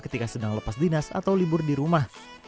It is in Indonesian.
ketika sedang lepas dinas atau libur di rumah